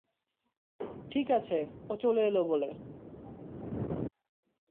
ঠিক আছে, ও চলে এলো বলে।